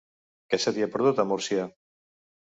Què se t'hi ha perdut, a Murla?